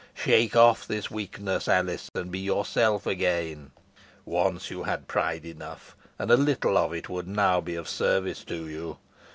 Shake off this weakness, Alice, and be yourself again. Once you had pride enough, and a little of it would now be of service to you.